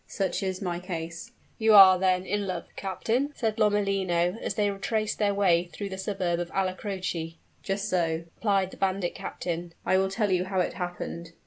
Such is my case." "You are, then, in love, captain?" said Lomellino, as they retraced their way through the suburb of Alla Croce. "Just so," replied the bandit chief. "I will tell you how it happened.